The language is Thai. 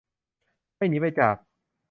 ไม่หนีไปจาก